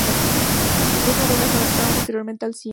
Sus dos novelas se adaptaron posteriormente al cine.